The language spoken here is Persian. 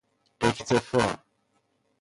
اکتفاء